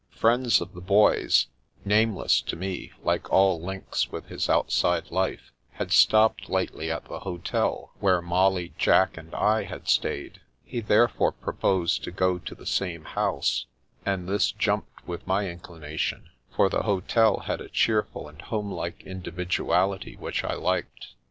Friends of the Boy's (nameless to me, like all links with his outside life) had stopped lately at the hotel where Molly, Jack, and I had stayed; he therefore proposed to go to the same house, and this jumped with my inclination: for the hotel had a cheerful and home like individuality which I liked.